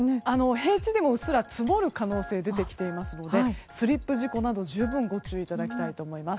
平地でもうっすら積もる可能性が出てきているのでスリップ事故など十分ご注意いただきたいと思います。